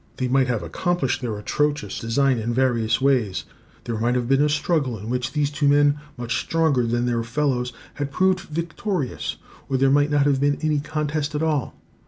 They might have accomplished their atrocious design in various ways. There might have been a struggle in which these two men, much stronger than their fellows, had proved victorious; or there might not have been any contest at all.